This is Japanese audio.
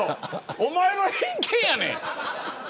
おまえの偏見やねん。